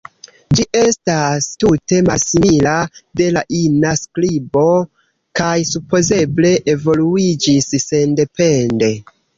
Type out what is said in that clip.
Ĝi estas tute malsimila de la ina skribo kaj supozeble evoluiĝis sendepende.